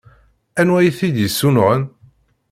Anwa i t-id-yessunɣen?